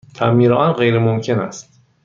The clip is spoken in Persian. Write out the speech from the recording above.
تعمیر آن غیرممکن است.